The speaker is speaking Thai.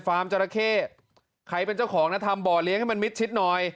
จราเข้ใครเป็นเจ้าของนะทำบ่อเลี้ยงให้มันมิดชิดหน่อย